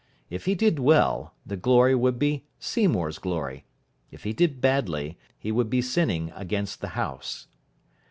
If he did well, the glory would be Seymour's glory. If he did badly, he would be sinning against the house.